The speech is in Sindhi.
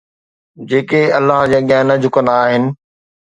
جيڪي الله جي اڳيان نه جهڪندا آهن